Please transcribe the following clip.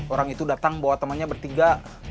orang itu datang bawa temannya bertiga